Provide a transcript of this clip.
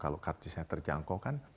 kalau kartisnya terjangkau kan